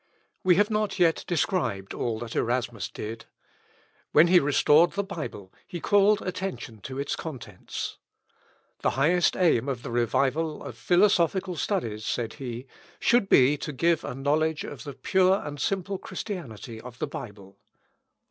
We have not yet described all that Erasmus did. When he restored the Bible, he called attention to its contents. "The highest aim of the revival of philosophical studies," said he, "should be to give a knowledge of the pure and simple Christianity of the Bible."